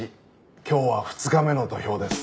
今日は２日目の土俵です。